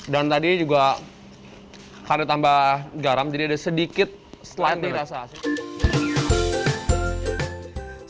dan tadi juga karena ditambah garam jadi ada sedikit selain dirasa asin